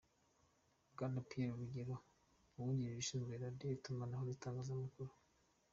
Bwana Pierre Rugero, Uwungirije Ushinzwe Radio, itumanaho n’itangazamakuru